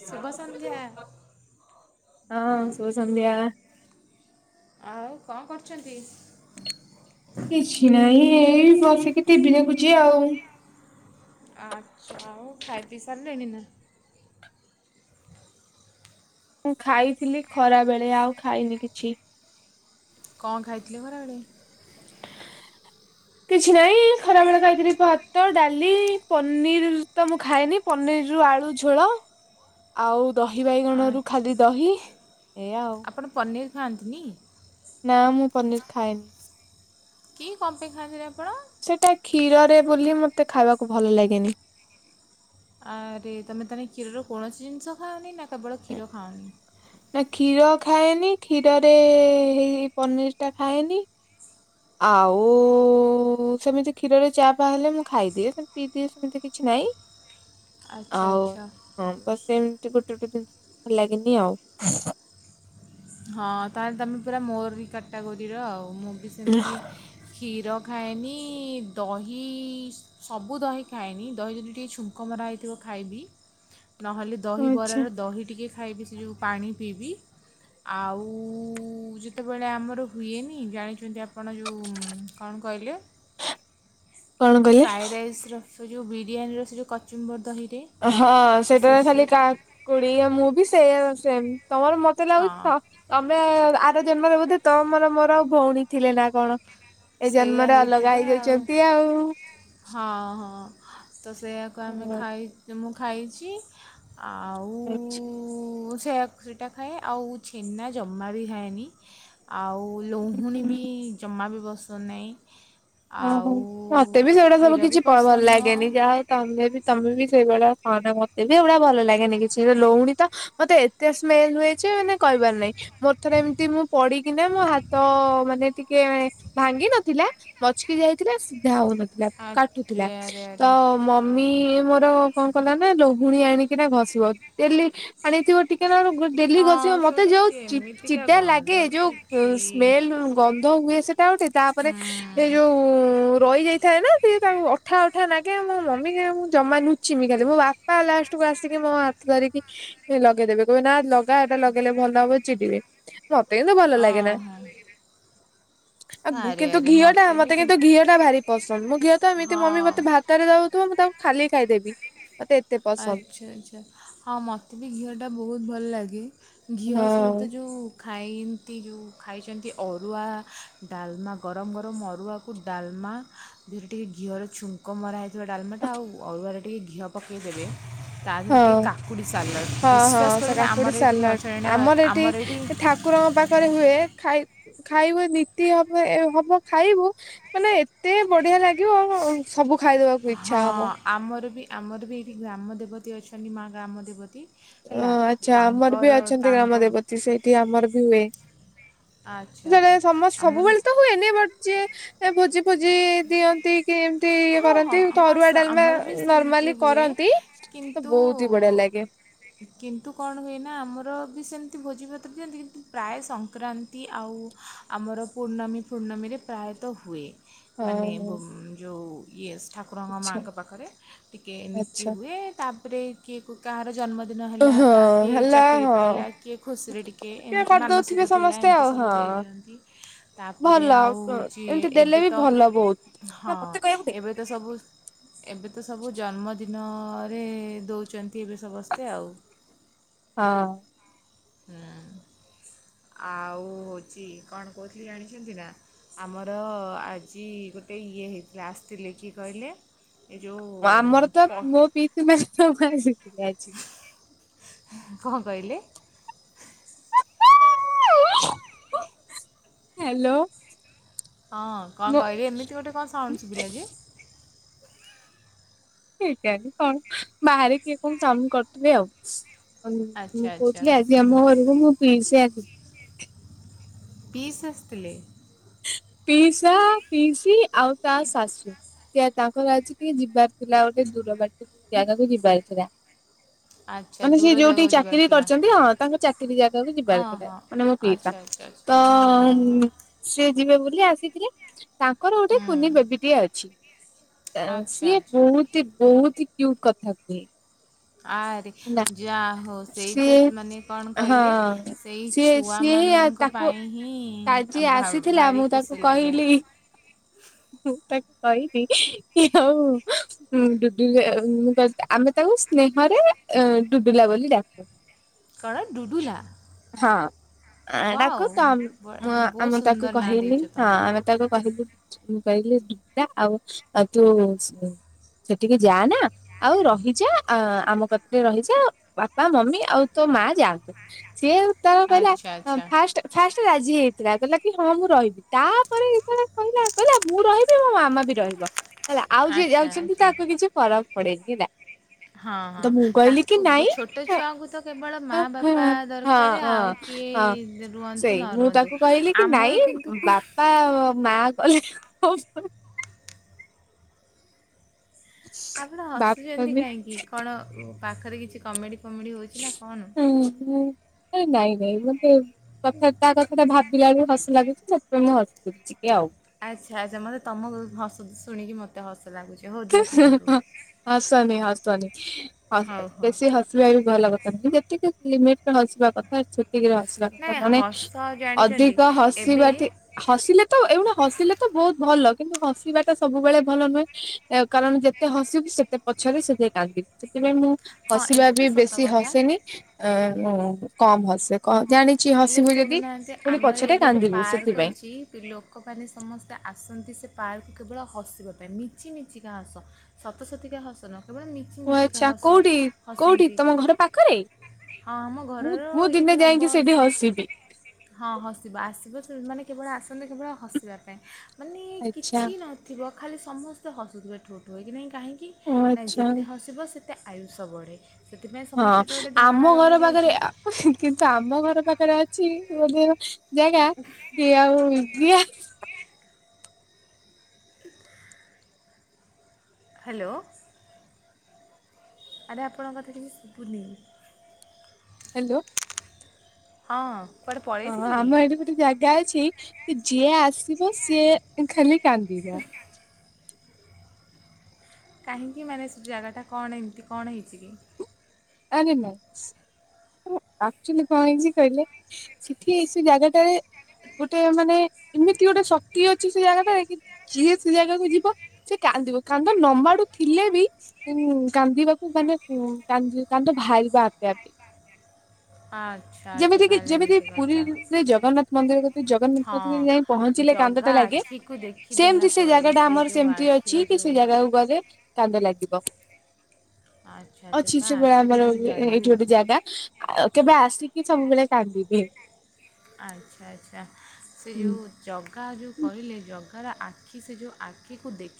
ଶୁଭସନ୍ଧ୍ୟା। ହଁ ଶୁଭ ସନ୍ଦ୍ୟା। ଆଉ କଣ କରୁଚନ୍ତି। କିଛି ନାଇଁ ଏଇ ବସିକି ଟିଭିି ଦେଖୁଛି ଆଉ। ଆଚ୍ଛା ଆଉ ଖାଇ ପିଇ ସାର ଲେଣି ନା। ମୁଁ ଖାଇଥିଲି ଖରା ବେଳେ ଆଉ ଖାଇନି କିଛି। କଣ ଖାଇଥିଲେ ଖରା ବେଳେ। କିଛି ନାହିଁ ଖରାବେଳେ ଖାଇକିରି ଭାତ ଡାଲି ପନିର ତ ମୁଁ ଖାଏନି। ପନିରି ରୁ ଆଳୁ ଝୋଳ। ଆଉ ଦହି ବାଇଗଣରୁ ଖାଲି ଆଚ୍ଛା ଦହି ଏଆ ଆଉ ଆପଣ ପନିରି ଖାଆନ୍ତିନି। ନା ମୁଁ ପନିର ଖାଏନି। କି ଙ୍କପେଇଁ ଖାନ୍ତିନି ଆପଣ। ସେଟା କ୍ଷୀରରେ ବୋଲି ମତେ ଖାଇବାକୁ ଭଲ ଲାଗେନି। ଆରେ ତମେ ତାହେଲେ କ୍ଷୀରର କୌଣସି ଜିନିଷ ଖାଅନି ନା କେବଳ କ୍ଷୀର ଖାଅନି। ନା କ୍ଷୀର ଖାଏନି କ୍ଷୀରରେ ହେଇ ପନିରଟା ଖାଏନି। ଆଉ ସେମିତି କ୍ଷୀରରେ ଚା ପା ହେଲେ ମୁଁ ଖାଇଦିଏ ସେମତି ପିଇଦିଏ ସେମିତି କିଛି ନାହିଁ। ଙ୍କ ପାଇଁ। ଆଉ ହଁ ତ ସେମିତି ଗୋଟେ ଗୋଟେ ଜିନିଷ ଭଲ ଲାଗନି ଆଉ। ହଁ ତାହେଲେ ତମେ ପୁରା ମୋର ବି କାଟା ଗୋରିର ଆଉ ମୁଁ ବି ସେମିତି କ୍ଷୀର ଖାଏନି ଦହି ସବୁ ଦହି ଖାଏନି ଦହି ଯଦି ଟିକେ ଛୁଙ୍କ୍ କ ମରା ହେଇଥିବ ଖାଇବି ନହେଲେ ଆଚ୍ଛା। ଦହିିବରାରେ ଦହି ଟିକେ ଖାଇବି ସେ ଯେଉଁ ପାଣି ପିଇବି। ଆଉ ଯେତେବେଳେ ଆମର ହୁଏନି ଜାଣିଛନ୍ତି ଆପଣ ଯେଉଁ କଣ କହିଲେ। କଣ କହିଲେ? ଫ୍ରାଏ ରାଇସ୍ ର ସେ ଯେଉଁ ବିରିୟାନୀର ସେ ଯେଉଁ କଚୁମ୍ବର ଦହିରେ। ହଁ ତ ସେ ସେଟାରେ ସେ ଖାଲି କାହାକୁଡି ମୁଁ ବି ସେ ସେ ତମର ମତେ ମତେ ହଁ ଲାଗୁଛି ତ ତମେ ଆର ଜନ୍ମରେ ବୋଧେ ତ ମୋର ମୋର ଆଉ ଭଉଣୀ ଥିଲେ ନା କଣ? ଏ ସେଇଆ ଜନ୍ମରେ ହେଇଥିବ ଅଲଗା ହେଇଯାଉଛନ୍ତି ଆଉ। ହଁ ହଁ ତ ସେଇଆାକୁ ଆମେ ହଁ ଖାଇ ମୁଁ ଖାଇଛି। ଆଉ ଉ ସେ ସେଇଟା ଖାଏ ଆଉ ଛେନା ଜମା ବି ଖାଏନି। ଆଉ ଲହୁଣୀ ବି ଜମା ବି ବସ ନାହିଁ। ଓହୋ ଆଉ ମତେ ବି ସେଗୁଡା ସବୁ କ୍ଷୀର ବି କିଛି ପରବିଲ୍‌ ପସନ୍ଦ ନୁହଁ ଲାଗେନି ଯାହା ହଉ ତମେ ବି ତମେ ବି ସେଇଭଳିଆ ଖାାନ ମତେ ବି ଏୁଡା ଭଲ ଲାଗେନି କିଛି ଲଉଣୀ ତ ମତେ ଏତେ ସ୍ମେଲ ହୁଏ ଯେ ମାନେ କହିବାର ନାହିଁ। ମୋର ଥର ଏମିତି ମୁଁ ପଡିକିନା ମୋ ହାତ ମାନେ ଟିକେ ଭାଙ୍ଗି ନଥିଲା। ମଛକି ଯାଇଥିଲା ସିଧା ହଉନଥିଲା କାଟୁଥିଲା ଆରେ ଆରେ ତ ଆରେ ମମି ଆରେ ମତ୍ କଣ କଲା ନା ଲହୁଣୀ ଆଣିକିନା ଘଷିବ ଡେଲି ଆଣିଥିବ ସେତିିକେ ନା ଡେଲି ହଁ ଗସିବା ସେ ମତେ ଗୋଟେ ଯୋଉ କେମିତିକା ଚିଡା ଗନ୍ଧ ଲାଗେ ଯୋଉ ଛି ଛି ସ୍ମେଲ ଗନ୍ଧ ହୁଏ ସେ ଏଟା ଗୋଟେ ତାପରେ ଏଇ ଯୋଉ ଟିରୁ ' ମୁଁ ରହି ଯାଇଥାଏ ନା ସିଏ ତାକୁ ଅଠା ଉଠା ନାଗେ ମୋ ମମି ମୁଁ ଜମା ନୁ ଚିମିାେ ମୋ ବାପା ଲାଷ୍ଟକୁୁ ଆସିକି ମୋ ହାତ ଧରିକି ଲଗେଇଦେବେ କହିବେ ନା ତା ଏଟା ଲଗେଇଲେ ଭଲ ହବ ଚିଡିବେ ମତେ କିନ୍ତୁ ଭଲ ଲାଗେ ନା। ଓହୋ ଆଉ ଆରେ କିନ୍ତୁ ଆରେ ଘିଅ ଟା ମୋତେ ବି ମତେ ସେ କିନ୍ତୁ ଘିଅ ଟା ଭାରି ପସନ୍ଦ ମୁ ଘିଅ ତ ଏମିତି ମମି ମତେ ହଁ ଭି ଖାତରେ ରଉଥିବ ମୁଁ ତାକୁ ଖାଲି ଖାଇଦେବି। ମତେ ଏତେ ପସନ୍ଦ ଆଚ୍ଛା ଆଚ୍ଛା ହଁ ମୋତେ ବି ଘିଅଟା ବହୁତ ଭଲ ଲାଗେ। ଘିଅ ହଁ ସହିତ ଯୋଉ ଖାଇନ୍ତି ଯୋଉ ଖାଇଛନ୍ତି ଅରୁଆ ଡାଲମା ଗରମ ଗରମ ଅରୁଆକୁ ଡାଲମା। ଯେରେ ଟିକିେ ଘିଅର ଛୁଙ୍କ ମରା ହେଇଥିବା ଡାଲମାଟା ଆଉ ଅରୁୁଆରେ ଟିକେ ଘିଅ ପକାଇଦେବେ ତା ଦେହରେ ହଁ। ଟିକଏ କାକୁଡ଼ି ସାଲଡ଼ ହଁ ହଁ ବିଶ୍ୱାସ ସେ କରୁନା କାକୁଡି ଆମର ଏଇଠି ନଚଣଣିେ ଆମର ଏଇଠି କୁକୁରଙ୍କ ପାଖରେ ହୁଏ ଖାଇ ଖାଇବୁ ନୀତି ହବ ହବ ଖାଇବୁ ମାନେ ଏତେ ବଢିଆ ଲାଗିବ ସବୁ ଖାଇଦବାକୁ। ଇଚ୍ଛା ହଁ ହବ ଆମର ବି ଆମର ବି ଏଇଠି ଗ୍ରାମ ଦେବତୀ ଅଛନ୍ତି ମା ଗ୍ରାମ ଦେବତୀ ଅ ହେଲା ତାଙ୍କର ତାଙ୍କ ସେ ସେଇଠି ଆମର ବି ହୁଏ ଆଚ୍ଛା ସାର ଆଚ୍ଛା ସମସ୍ତ ଆମର ସବୁବେଳେ ତ। ଏନ ବଢଛି ଭୋଜି ଫୋଜି ଦିଅନ୍ତି କି ଏମିତି ଇଏ ହଁ ହଁ କରନ୍ତି ହଁ ସ ତରୁଆ ଡାଲମା ଆମର ବି ସେମିତି ନର୍ମାଲି ହୁଏ କରନ୍ତି। ତ କିନ୍ତୁ ବହୁତ ହି ବଢିଆ ଲାଗେ। କିନ୍ତୁ କଣ ହୁଏ ନା ଆମର ବି ସେମିତି ଭୋଜିପତ୍ର ବି ଯେମତି କିନ୍ତୁ ପ୍ରାୟ ସଂକ୍ରାନ୍ତି ଆଉ ଆମର ପୂର୍ଣ୍ଣମୀ ପୂର୍ଣ୍ଣମୀରେ ପ୍ରାୟତଃ ହୁଏ ହଁ ମାନେ ହଁ ଯୋଉ ୟଏସ୍ ଠାକୁରଙ୍କ ଆଚ୍ଛା ମାଆଙ୍କ ପାଖରେ ଟିକଏ ନୀତି ଆଚ୍ଛା ହୁଏ ତାପରେ କିଏ କାହାର ଜନ୍ମଦିନ ହେଲା ହଁ କାହା କିଏ ହେଲା ଚାକିରି ହଁ। ପାଇଲା କିଏ ଖୁସିରେ ଟିକେ ଏମିତି କରିଦଉଥିବେ ମାନସିକ ଥିଲା ସମସ୍ତେ ଏମିତି ଆଉ ସବୁ ହଁ ଦେଇଦିଅନ୍ତି ତାପରେ ଭଲ ଆଉ ଯି ଏମିତି ଦେଲେ ଏବେ ବି ତ ଭଲ ବହୁତ। ହଁ ମତେ କହିବାକୁ ଦେ ଏବେ ତ ସବୁ ଏବେ ତ ସବୁ ଜନ୍ମଦିନରେ ଦଉଛନ୍ତି ଏବେ ସମସ୍ତେ ଆଉ ହଁ। ହୁଁ ଆଉ ହଉଛି କଣ କହୁଥିଲି ଜାଣିଛନ୍ତି ନା ଆମର ଆଜି ଗୋଟେ ଇଏ ହେଇଥିଲା ଆସିଥିଲେ କି କହିଲେ? ଏ ଆମର ଯୋଉ ତ ପ [unintelligible] ଆଜି। କଣ କହିଲେ? ହ୍ୟାଲୋ। ହଁ କଣ ମୋ କହିଲି ଏମିତି ଗୋଟେ କଣ ଗୋଟେ ସାଉଣ୍ଡ ସୁଵିଲା ଯେ। ସେଇଟା ବି କଣ ବାହାରେ କିଏ କଣ ସାମ୍ କରିୁଥିବେ ଆଉ। ଆଚ୍ଛା ମୁଁ ଆଚ୍ଛା କହୁଥିଲି ଆଜି ହୁଁ ଆମ ଘରକୁ ମୋ ପିଇସି ଆଜିି ପିସ୍ ଆସିଥିଲେ। ପିଇସା ପିଇସୀ ଆଉ ତା ଶାଶୁ। ସେ ତାଙ୍କର ଅଛି ଟିକେ ଯିବାର ଥିଲା ଗୋଟେ ଦୂରବାଟ ଜାଗାକୁ ଯିବାର ଥିଲା। ଆଚ୍ଛା ମାନେ ସେ ଦୂର ଯୋଉଠି ଜାଗାକୁ ଯିବାର ଚାକିରି ଥିଲା କରିଛନ୍ତି ହଁ ତାଙ୍କ ଚାକିରି ଜାଗାକୁ ହଁ ଯିବାର ଥିଲା ହଁ ମାନେ ମୋ ପିଇସା ଆଚ୍ଛା ଆଚ୍ଛା ତ ଆଚ୍ଛା। ହଁ ହଁ। ସେ ଯିବେ ବୋଲି ଆସିଥିଲେ ତାଙ୍କର ଗୋଟେ କୁନି ହୁଁ। ବେବିଟିଏ ଅଛି। ଆଚ୍ଛା ସିଏ ଆଚ୍ଛା ବହୁତି ବହୁତି କ୍ୟୁଟ କଥା କୁହେ। ଆରେ ହେଲା ଯା ହୋଉ ସେଇ ତ ସିଏ ମାନେ କଣ ହଁ କହିଲେ ସେଇ ସିଏ ସିଏ ହିଁ ଛୁଆମାନ ଙ୍କ ତାକୁ ପାଇଁ ହିଁ ଯିଏ ଆସିଥିଲା ମୁଁ ଭାରି ତାକୁ ଖୁସି ଲାଗେ। କହିଲି ମୁଁ ତାକୁ କହିଲି କି ହୋଉ। ହୁଁ ଡୁଡୁଲ୍ ମୁଁ କହିଲି ଆମେ ତାକୁ ସ୍ନେହରେ ଡୁଡୁଲା ବୋଲି ଡାକୁ। କଣ ଡୁଡୁଲା? ହଁ ଡାକୁ ୱାଉ ତ ଆମ- ମୁଁ- ବହୁତ ଆମେ ସୁନ୍ଦର ନାଁ ଦେଇଛ ହଁ ତମେ। ଆମେ ତାକୁ କହିଲି ମୁଁ କହିଲି ଦିଟା ଆଉ ଆଉ ତୁ ସେଠିକି ଯା ନା ଆଉ ରହିଯା ଆମ କ ରହିଜା ବାପା ମମି ଆଉ ତୋ ମା ଯାଆନ୍ତୁ ସିଏ ତାର କହିଲା ଆଚ୍ଛା ଆଚ୍ଛା ଫାଷ୍ଟ ଫାଷ୍ଟ ରାଜି ହେଇଥିଲା କହିଲା କି ହଁ ମୁଁ ରହିବି ତାପରେ ଇଏକଲା କହିଲା ମୁଁ ରହିବି। ମୋ ମାମା ବି ରହିବ ହେଲା ଆଉ ଯିଏ ଆଚ୍ଛା ଯାଉଛନ୍ତି ଆଚ୍ଛା ତାକୁ କିଛି ଫରକ ପଡେନି ହେଲା। ହଁ ହଁ। ତ ମୁଁ କହିଲି କି ତାକୁ ନାଇଁ ଛୋଟ ଛୁଆଙ୍କୁ ତ କେବଳ ହଁ ମାଆ ବାପା ହଁ ଦରକାରେ ହଁ ଆଉ ହଁ କିଏ ରୁହନ୍ତୁ ସେଇ ନ ରୁହନ୍ତୁ ଆମର କିନ୍ତୁ ବା ମା କଲେ ହବ। ଆପଣ ହସୁଛନ୍ତି ବାପାବି କାହିଁକି କଣ ପାଖରେ କିଛି କମେଡି ଫମେଡି ହଉଚି ନା କଣ? ହଁ ନାଇଁ ନାଇଁ ମତେ କଥା ତା କଥା ସେଇଟା ଭାବିଲାବେଳୁ ହସ ଲାଗୁଛି ସେପାଇଁ ମୁଁ ହସୁଚି ଟିକେ ଆଉ। ଆଚ୍ଛା ଆଚ୍ଛା ମୋତେ ତମକୁ ହସ ଶୁଣିକି ମ ହସ ଲାଗୁଛି ହୋଉ। ହସନି ହସନି ବେଶୀ ହସ ହଉ ହଉ ବେଶି ହସ ଭଲ କଥା ଯେତିକି ଲିମିଟ୍ ହସ ବା କଥା ଛୁଟିକିରେ ହସିବା କଥା ନାଇଁ ମାନେ ହସ ଜାଣିଛନ୍ତି ଅଧିକ ଏବେ ହସିବା ଠି ହସିଲେ ତ ଏଇଗୁଣା ହସିଲେ ତ ବହୁତ ଭଲ କିନ୍ତୁ ହସିବାଟା ସବୁବେଳେ ଭଲ ନୁହେଁ। କାରଣ ଯେତେ ହସିବୁ ସେତେ ପଛରେ ସେତେ କାନ୍ଦିବୁ ସେଥିପାଇଁ ମୁଁ ହଁ ହସିବା ଏଇଟା ତ ବି ସତ ବେଶୀ କଥା ହସେନି କମ୍ ହସେ କ ଜାଣି ହେଲେ ଶୁଣୁନାହାନ୍ତି ଆମର ଏଇ ଗୋଟେ କାନ୍ଦିବୁ ପାର୍କ ସେଥିପାଇଁ ଅଛିିଲୋ ଲୋକମାନେ ସମସ୍ତେ ଆସନ୍ତି ସେ ପାର୍କୁ କେବଳ ହସିବା ପାଇଁ ମିଛି ମିଛିିକା ହସ ସତସତିକା ହସ ନୁହ କେବଳ ମୁଁ ମିଛିମିଛିକା ଆଚ୍ଛା ହସ କୋଉଠି କୋଉଠି ହସନ୍ତି। ତମ ଘର ପାଖରେ [inaudible] ହଁ ଆମ ମୁଁ ଘରର ମୁଁ ଦିନେ ଏଇଠି ଯାଇକି ହବ ସେଇଠି ହସିବି ହଁ ହସିବ ଆସିବ ମାନେ କେବଳ ଆସନ୍ତୁ କେବଳ ହସିବା ପାଇଁ ମାନେ ଆଚ୍ଛା କିଛି ନ [inaudible] ଥିବ ଖାଲି ସମସ୍ତେ ହସୁଥିବେ ଠୋଠୋ ହେଇକି ନାହିଁ କାହିଁକି ଓ ନାଇଁ ଆଚ୍ଛା। ଯେତେ ହସିବ ସେ [inaudible] ମୋତେ ଆୟୁଷ ବଢ଼େ ସେଥିପାଇଁ ହଁ ସମସ୍ତେ ଗୋଟି ଧାରଣା ଆମ ଘର ପାଖରେ ରହିଯାଇଛି। ଆ କିନ୍ତୁ ଆମ ଘର ପାଖରେ ଅଛି ଗୋଟେ ଜାଗା କି ଆଉ ଏ [inaudible] [inaudible] ହ୍ୟାଲୋ ଆରେ ଆପଣଙ୍କ କଥା କିଛି ଶୁଭୁନି। ହ୍ୟାଲୋ ହଁ କୁଆଡ଼େ ହଁ ପଳେଇଥିଲି ଆମ ଏଠି ଗୋଟେ ଜାଗା ଅଛି ଯିଏ ଆସିବ ସିଏ ଖାଲି କାନ୍ଦିବ। କାହିଁକି ମାନେ ସେ ଜାଗାଟା କଣ ଏମିତି କଣ ହେଇଛି କି? ଆରେ ନାଇଁ ଆକ୍ଚୁଲି କଣ ହେଇଛି କହିଲେ। ସେଠି ସେ ଜାଗାଟାରେ ଗୋଟେ ମାନେ ଏମିତି ଗୋଟେ ଶକ୍ତି ଅଛି ସେ ଜାଗାଟାରେ କି କିଏ ସେ ଜାଗାକୁ ଯିବ ସେ କାନ୍ଦିବ କାନ୍ଦ ନମାଡୁ ଥିଲେ ବି କାନ୍ଦିବାକୁ ମାନେ କାନ୍ଦ ବାହାରିବା ଆପେ ଆପେ [inaudible] ହୁ ଯେମିତି କି ଯେମିତି କଥା ପୁରୀରେ ଜଗନ୍ନାଥ ମନ୍ଦିର କ ଜଗନ୍ନାଥ ହଁ ମନ୍ଦିର ଯାଇ ପହଞ୍ଚିଲେ ଜଗା କାନ୍ଦଟା ଲାଗେ ଆଖିକୁ ଦେଖିଦେଲା ସେମତି ସେ ପରେ ଜାଗା ଟା ଆମର ଯେଉଁ ସେମିତି ଅଛି ଆଖିର କି ସେ ଯେଉଁ ଜାଗାକୁ ଗଲେ କାନ୍ଦ ଲାଗିବ। ଆଚ୍ଛା ଆଚ୍ଛା ସେତେବେଳେ ଆଖିରେ ଆମର ଯେଉଁ ଯାଦୁ ଏଇଠି ଗୋଟେ ଜାଗା କେବେ ଆସିକି ସବୁବେଳେ କାନ୍ଦିବେ। ଆଚ୍ଛା ଆଚ୍ଛା ସେ ଯୋଉ ଜଗା ଯେଉ କହିଲେ ଜ ହ ଆଖି ସେ ଯଉ ଆଖିକୁ ଦେଖ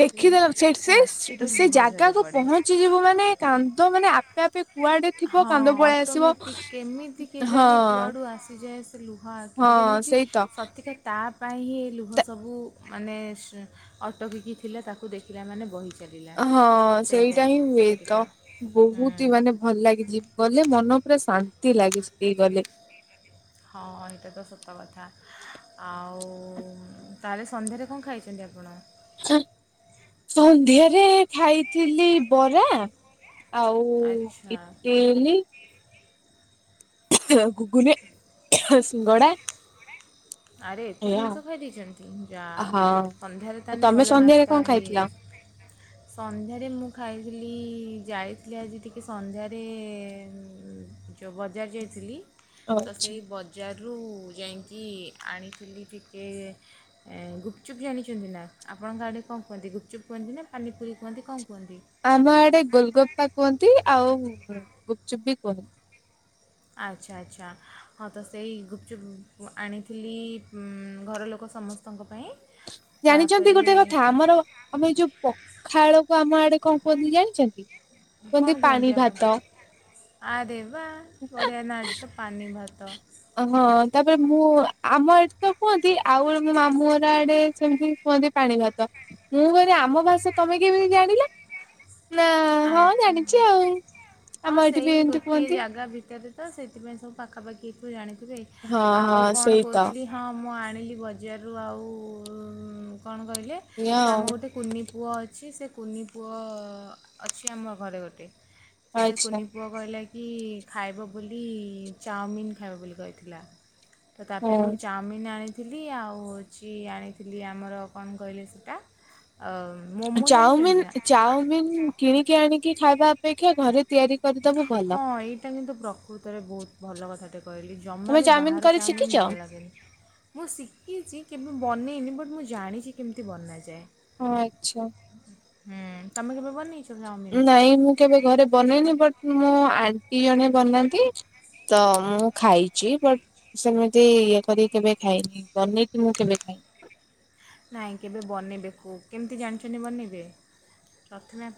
ଦେଖିଦେଲ ସେଠ ସେ ସେ ଲୁହ ଝରି ଜାଗାକୁ ପଡ଼େ ପହଞ୍ଚିଯିବୁ ମାନେ କାନ୍ଦ ମାନେ ଆପେ କୁଆଡେ ଥିବ ହଁ କାନ୍ଦ ପଳେଇ ଆସିବ ଅଟୋମେଟିକ୍ କେମିତି ହଁ କେଜାଣି କୁଆଡ଼ୁ ଆସିଯାଏ ସେ ଲୁହ ହଁ ଯେମିତି ସେଇ ତ ସତିକା କି ତା ପାଇଁ ହିଁ ଏ ଲୁହ ସବୁ ମାନେ ଅଟକିକି ଥିଲା ତାକୁ ଦେଖିଲା ମାନେ ବହି ଚାଲିଲା ହଁ ସେଇଟା ହିଁ ହୁଏ ତ ବହୁତି ହୁଁ ମାନେ ଭଲ ଲାଗି ଯିବ ଗଲେ ମନ ପୁରା ଶାନ୍ତି ଲାଗି ହେଇ ଗଲେ। ହଁ ଏଇଟା ତ ସତ କଥା। ଆଉ ତାହେଲେ ସନ୍ଧ୍ୟାରେ କଣ ଖାଇଛନ୍ତି ଆପଣ। ସନ୍ଧ୍ୟାରେ ଖାଇଥିଲି ବରା। ଆଉ ଆଚ୍ଛା ଇତିଲି। ଘୁଗୁନି ଶିଙ୍ଗଡା ଆରେ ଏତେ ଜିନିଷ ଖାଇ ଦେଇେଇଛନ୍ତି ଯାହା ହଉ ହଁ ସନ୍ଧ୍ୟାରେ ତାହେଲେ ତମେ ଭଲ ସନ୍ଧ୍ୟାରେ କଣ ନାସ୍ତା ଖାଇଥିଲ? ହୋଇଯାଇଛି। ସନ୍ଧ୍ୟାରେ ମୁଁ ଖାଇଥିଲି ଯାଇଥିଲି ଆଜି ଟିକିଏ ସନ୍ଧ୍ୟାରେ ଯେଉଁ ବଜାର ଯାଇଥିଲି ତ ଆଚ୍ଛା। ସେଇ ବଜାରରୁ ଯାଇକି ଆଣିଥିଲି ଟିକେ ଗୁପଚୁପ୍ ଜାଣିଛନ୍ତି ନା ଆପଣଙ୍କ ଗ ଆଡ଼ କଣ କୁହନ୍ତି ଗୁପଚୁପ କୁହନ୍ତି ନା ପାନିପୁରୀ କୁହନ୍ତି କଣ କୁହନ୍ତି? ଆମ ଆଡେ ଗୋଲଗୋପା କୁହନ୍ତି ଆଉ ଗୁପଚୁପ୍ ବି କୁହନ୍ତି। ଆଚ୍ଛା ଆଚ୍ଛା ହଁ ତ ସେଇ ଗୁପଚୁପ୍ ଆଣିଥିଲି ଘର ଲୋକ ସମସ୍ତ ଆପଙ୍କ ପାଇଁ ଜାଣିଛନ୍ତି ତା'ପରେ ଗୋଟେ କଥା ଆମର ଆମେ ଯୋଉ ପଖା ବଳକୁ ଆମ ଆଡେ କଣ କୁହନ୍ତି ଜାଣିଛନ୍ତି କଣ ପାଣି କୁହନ୍ତି ଆପଣ ଭାତ। ଆ ଦେ ବା ଓଡ଼ିଆ ନାଡ଼ ତ ପାନି ଭାତ ଅ ହଁ ତାପରେ ମୁଁ ଆମ ଏଠି ତ କୁହନ୍ତି ଆଉ ଗୋଟେ ମୋ ମାମୁଁ କୁଆଡେ ସେମିତି କୁହନ୍ତି ପାଣି ଭାତ ମୁଁ କହିନି ଆମ ଭାଷା ତମେ କେମିତି ଜାଣିଲ ନା ହଁ ଆଛ ଜାଣିଛି ଆଉ ହଁ ଆମ ଏଠି ସେଇ ବି ଏମିତି ଗୋଟିଏ କୁହନ୍ତି ଜାଗା ଭିତରେ ତ ସେଥିପାଇଁ ସବୁ ପାଖାପାଖିଠୁ ଜାଣିଥିବେ ହଁ ଆଉ ହଁ କଣ ସେଇ ତ କହୁଥିଲି ହଁ ମୁଁ ଆଣିଲି ବଜାରରୁ ଆଉ କଣ କହିଲେ ଏଇଆ ସେ ଆମ ଆଉ ଗୋଟେ କୁନି ପୁଅ ଅଛି ସେ କୁନି ପୁଅ ଅଛି ଆମ ଘରେ ଗୋଟେ ତ ସେ ଆଚ୍ଛା। କୁନି ପୁଅ କହିଲା କି ଖାଇବ ବୋଲି ଚାଓମିିନ ଖାଇବ ବୋଲି କହିଥିଲା ତ ତା ପାଇଁ ମୁଁ ଚା ହଁ ଚାଉମିିନ ଆଣିଥିଲି ଆଉ ଚି ଆଣିଥିଲି ଆମର କଣ କହିଲେ ସେଇଟା ଆଉ ଚାଉମିିନ ଚାଉମିିନ କିଣିକି ଆଣିକି ଖାଇବା ଅପେକ୍ଷା ଘରେ ତିଆରି କରିଦବ ହଁ ଏଇଟା କିନ୍ତୁ ପ୍ରକୃତରେ ବହୁତ ଭଲ କଥାଟେ କହିଲି ଜମା ତମେ ବି ଚାଉମିିନ ବାହାର କରି ଶିଖିଛ? ଚାଉମିିନ ଭଲ ଲାଗେନି ମୁଁ ଶିଖିଛି କେବେ ବନେଇନି ବଟ୍ ମୁଁ ଜାଣିଛି କେମିତି ବନାଯାଏ ହ ଆଚ୍ଛା ହୁଁ ତମେ କେବେ ବନି ନାଇଁ ମୁଁ କେବେ ଘରେ ବନେଇନି ବଟ ମୋ ଆଣ୍ଟି ଜଣେ ବନାନ୍ତି ତ ମୁଁ ଖାଇଛି ବଟ ସେମିତି ଇଏ କରିକି କେବେ ଖାଇନି ବନେଇ କି ମୁଁ କେବେ ଖାଇନି ନାଇଁ କେବେ ବନେଇବେକୁ କେମିତି ଜାଣିଛନ୍ତି ବନେଇବେ ପ୍ରଥମେ